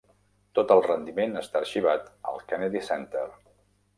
Tot el rendiment està arxivat al Kennedy Center.